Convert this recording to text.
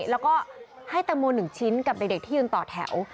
แล้วก็ให้แตงโม๑ชิ้นกับเด็กที่ยืนต่อแถว